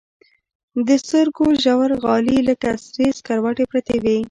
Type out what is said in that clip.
د سترګو ژورغالي لكه سرې سكروټې پرتې وي.